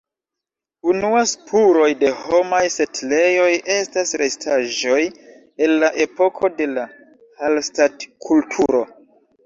Unua spuroj de homaj setlejoj estas restaĵoj el la epoko de la Hallstatt-kulturo.